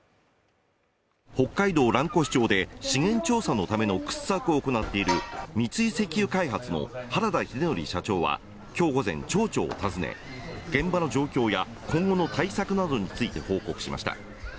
北海道蘭越町で資源調査のための掘削を行っている三井石油開発の原田英典社長は今日午前町長を訪ね、現場の状況や今後の対策などについて報告しました。